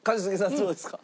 どうですか？